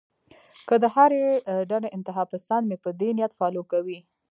کۀ د هرې ډډې انتها پسند مې پۀ دې نيت فالو کوي